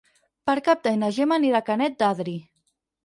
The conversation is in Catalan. Per Cap d'Any na Gemma anirà a Canet d'Adri.